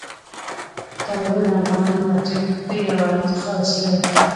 تالابونه د افغانانو د تفریح یوه ښه وسیله ده.